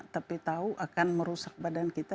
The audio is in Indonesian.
tapi tahu akan merusak badan kita